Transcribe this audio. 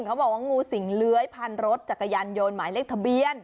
เขาบอกว่างูสิงเลื้อยพันรถจักรยานยนต์หมายเลขทะเบียน